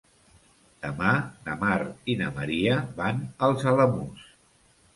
Demà na Mar i na Maria van als Alamús.